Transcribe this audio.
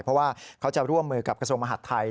เพราะว่าเขาจะร่วมมือกับกระทรวงมหาดไทย